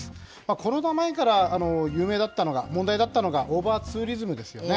コロナ前から有名だったのが、問題だったのが、オーバーツーリズムですよね。